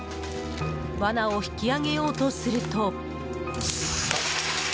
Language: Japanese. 罠を引き上げようとすると。